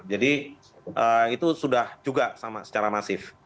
jadi itu sudah juga secara masif